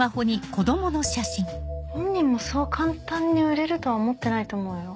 本人もそう簡単に売れるとは思ってないと思うよ。